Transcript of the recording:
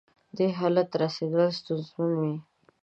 دې حالت رسېدل ستونزمن وي.